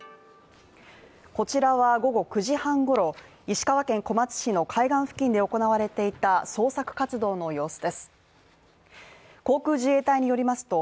こちらは午後９時半ごろ、石川県小松市の海岸付近で行われていた捜索活動の様子です。